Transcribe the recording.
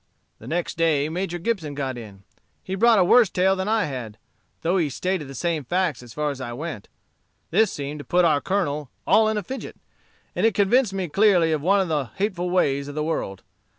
The next day, Major Gibson got in. He brought a worse tale than I had, though he stated the same facts as far as I went. This seemed to put our Colonel all in a fidget; and it convinced me clearly of one of the hateful ways of the world.